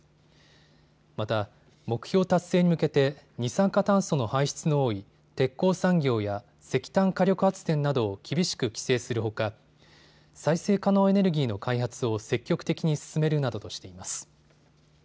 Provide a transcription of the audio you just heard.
また、目標達成に向けて二酸化炭素の排出の多い鉄鋼産業や石炭火力発電などを厳しく規制するほか再生可能エネルギーの開発を積極的に進めるなどとしています。